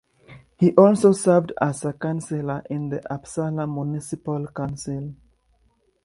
He also served as a councillor in the Uppsala Municipal Council.